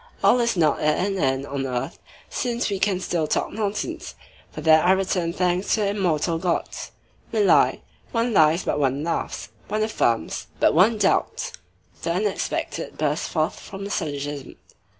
All is not at an end on earth since we can still talk nonsense. For that I return thanks to the immortal gods. We lie. One lies, but one laughs. One affirms, but one doubts. The unexpected bursts forth from the syllogism.